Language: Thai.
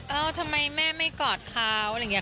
เอ้าทำไมแม่ไม่กอดเขาอะไรอย่างนี้